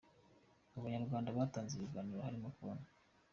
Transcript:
Mu banyarwanda batanze ibiganiro, harimo Col.